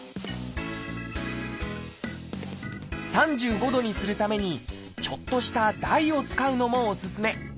３５度にするためにちょっとした台を使うのもおすすめ。